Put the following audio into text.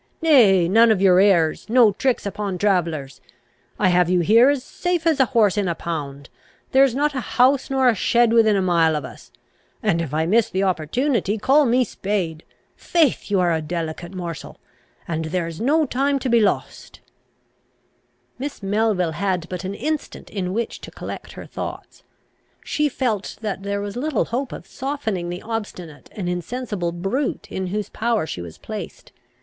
Nay, none of your airs; no tricks upon travellers! I have you here as safe AS a horse in a pound; there is not a house nor a shed within a mile of us; and, if I miss the opportunity, call me spade. Faith, you are a delicate morsel, and there is no time to be lost!" Miss Melville had but an instant in which to collect her thoughts. She felt that there was little hope of softening the obstinate and insensible brute in whose power she was placed.